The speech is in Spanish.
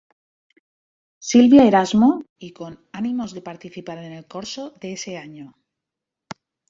Silvia Erasmo y con ánimos de participar en el corso de ese año.